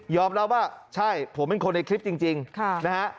รับว่าใช่ผมเป็นคนในคลิปจริงนะฮะ